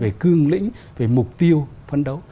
về cương lĩnh về mục tiêu phấn đấu